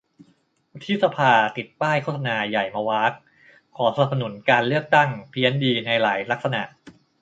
วุฒิสภา ติดป้ายโฆษณาใหญ่มวาก "ขอสนับสนุนการเลือกตั้ง" เพี้ยนดี ในหลายลักษณะ